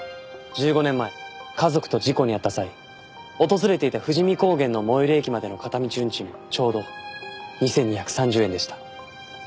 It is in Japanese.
１５年前家族と事故に遭った際訪れていた富士見高原の最寄り駅までの片道運賃もちょうど２２３０円でした。